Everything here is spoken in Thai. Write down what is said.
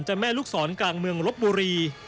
แม่ลูกศรกลางเมืองลบบุรี